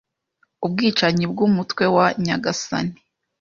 ubwicanyi bwumutwe wa nyagasani